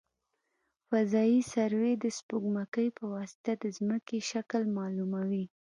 فضايي سروې د سپوږمکۍ په واسطه د ځمکې شکل معلوموي